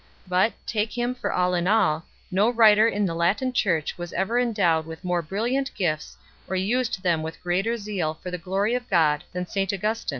But, take him for all in all, no writer in the Latin Church was ever endowed with more brilliant gifts or used them with greater zeal for the glory of God than St Augustin.